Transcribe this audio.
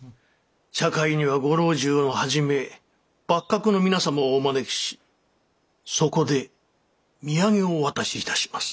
茶会にはご老中をはじめ幕閣の皆様をお招きしそこで土産をお渡し致します。